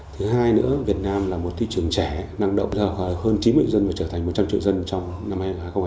thứ hai nữa việt nam là một thị trường trẻ năng động cho hơn chín mươi triệu dân và trở thành một trăm linh triệu dân trong năm hai nghìn hai mươi